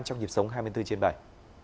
trong dịp sống hai mươi bốn trên bài